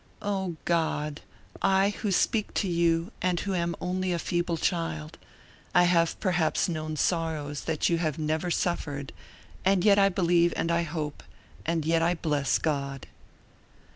O, God! I who speak to you and who am only a feeble child, I have perhaps known sorrows that you have never suffered, and yet I believe and I hope, and yet I bless God.